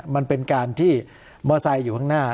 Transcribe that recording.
มันเป็นการที่มอไซค์อยู่ข้างหน้า